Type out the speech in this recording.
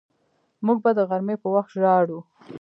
موږ به د غرمې په وخت ژاړو